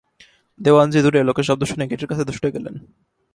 দেওয়ানজি দূরে লোকের শব্দ শুনে গেটের কাছে ছুটে গেলেন।